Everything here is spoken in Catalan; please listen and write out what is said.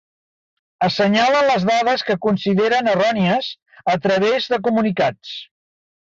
Assenyalen les dades que consideren errònies a través de comunicats.